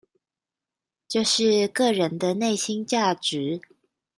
就是個人的內心價值